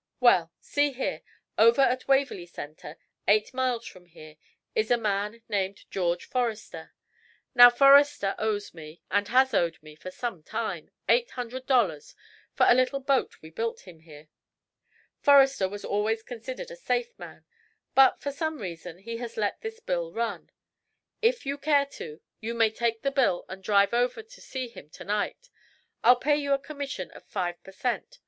"Well, see here, over at Waverly Center, eight miles from here, is a man named George Forrester. Now, Forrester owes me, and has owed me, for some time, eight hundred dollars for a little boat we built him here. Forrester was always considered a safe man, but for some reason he has let this bill run. If you care to, you may take the bill and drive over to see him to night. I'll pay you a commission of five per cent.